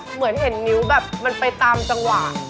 เหมือนเห็นนิ้วแบบมันไปตามจังหวะ